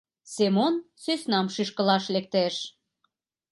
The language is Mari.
Семон сӧснам шӱшкылаш лектеш.